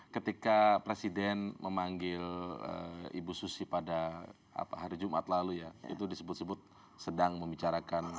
ketika presiden memanggil ibu susi pada hari jumat lalu ya itu disebut sebut sedang membicarakan